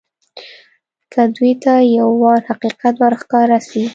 که دوى ته يو وار حقيقت ورښکاره سي.